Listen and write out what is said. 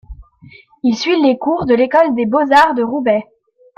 Il suit les cours de l’école des beaux-arts de Roubaix.